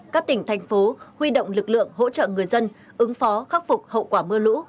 các tỉnh thành phố huy động lực lượng hỗ trợ người dân ứng phó khắc phục hậu quả mưa lũ